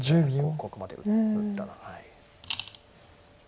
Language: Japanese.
ここまで打ったら。